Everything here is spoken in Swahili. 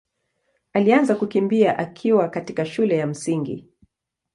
alianza kukimbia akiwa katika shule ya Msingi.